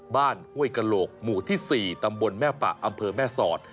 ห้วยกะโหลกหมู่ที่๔ตำบลแม่ปะอำเภอแม่สอด